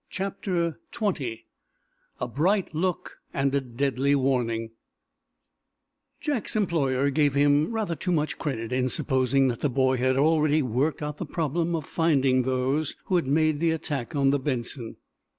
CHAPTER XX A BRIGHT LOOK AND A DEADLY WARNING Jack's employer gave him rather too much credit in supposing that the boy had already worked out the problem of finding those who had made the attack on the "Benson."